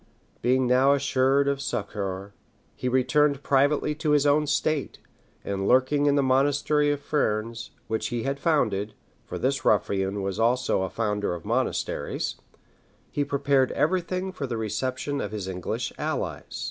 Being now assured of succor, he returned privately to his own state; and lurking in the monastery of Fernes, which he had founded, (for this ruffian was also a founder of monasteries,) he prepared every thing for the reception of his English allies.